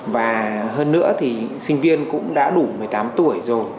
và hơn nữa thì sinh viên cũng đã đủ một mươi tám tuổi rồi